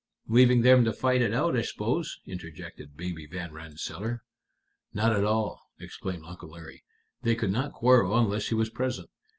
"Leaving them to fight it out, I suppose," interjected Baby Van Rensselaer. "Not at all," explained Uncle Larry. "They could not quarrel unless he was present.